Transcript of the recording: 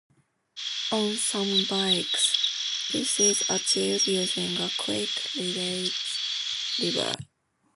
On some bikes, this is achieved using a quick release lever.